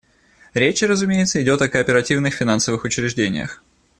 Речь, разумеется, идет о кооперативных финансовых учреждениях.